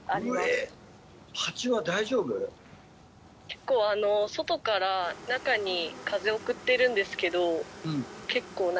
結構外から中に風を送ってるんですけど。